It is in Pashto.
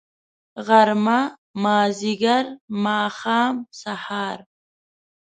غرمه . مازدیګر . ماښام .. سهار